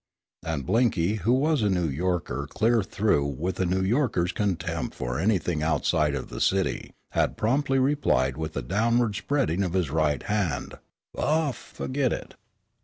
And Blinky, who was a New Yorker clear through with a New Yorker's contempt for anything outside of the city, had promptly replied with a downward spreading of his right hand, "Aw fu'git it!"